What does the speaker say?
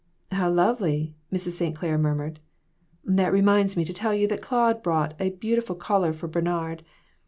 "How lovely!" Mrs. St. Clair murmured. "That reminds me to tell you that Claude bought a beautiful collar for Bernard.